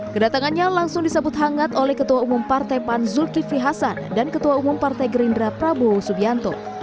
kedatangannya langsung disambut hangat oleh ketua umum partai pan zulkifli hasan dan ketua umum partai gerindra prabowo subianto